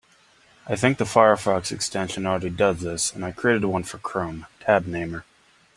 I think the Firefox extension already does this, and I created one for Chrome, Tab Namer.